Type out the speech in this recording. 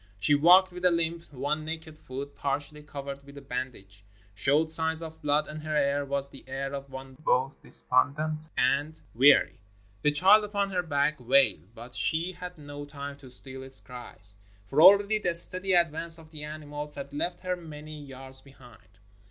She walked with a hmp; one naked foot, par tially covered with a bandage, showed signs of blood, and her air was the air of one both despondent and weary. The child upon her back wailed, but she had no time to still its cries, for already the steady advance of the animals had left her many yards behind.